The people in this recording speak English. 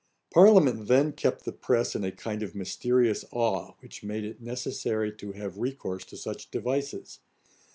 Parliament then kept the press in a kind of mysterious awe, which made it necessary to have recourse to such devices.